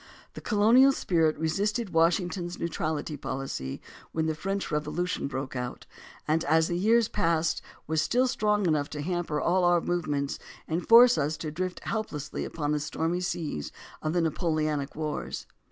The colonial spirit resisted Washington's neutrality poHcy when the French Revolution broke out, and as the years passed was still strong enough to hamper all our movements and force us to drift helplessly upon the stormy seas JOHN C. CALHOUN 163 of the Napoleonic wars.